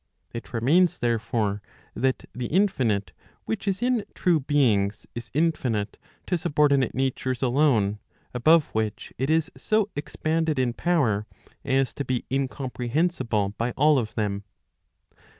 It remains therefore, that the infinite which is in [true] beings, is infinite to subordinate natures alone, above which it is so expanded in power, as to be incomprehensible by all of them.